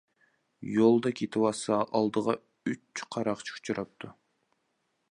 يولدا كېتىۋاتسا ئالدىغا ئۈچ قاراقچى ئۇچراپتۇ.